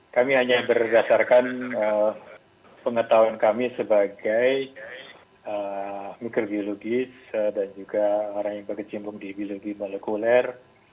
kami hanya berdasarkan pengetahuan kami sebagai mikrobiologis dan juga orang yang berkecimpung di biologi molekuler